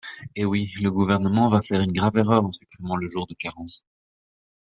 Eh oui ! Le Gouvernement va faire une grave erreur en supprimant le jour de carence.